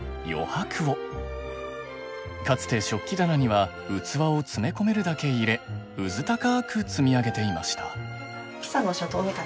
かつて食器棚には器を詰め込めるだけ入れうずたかく積み上げていました。